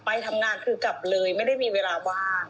ไปทำงานคือกลับเลยไม่ได้มีเวลาว่าง